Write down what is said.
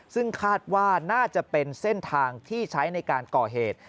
ซึ่งคาดว่าน่าจะเป็นเส้นทางที่ใช้ในการก่อเหตุ